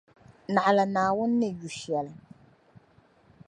Naɣila Naawuni ni yu shɛli.